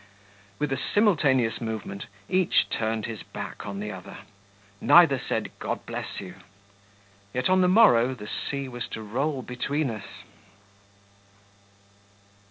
With a simultaneous movement, each turned his back on the other. Neither said "God bless you;" yet on the morrow the sea was to roll between us.